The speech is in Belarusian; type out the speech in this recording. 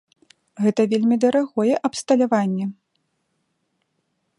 Гэта вельмі дарагое абсталяванне.